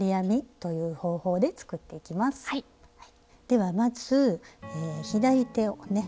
ではまず左手をね